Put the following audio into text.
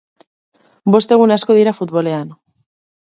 Bost egun asko dira futbolean.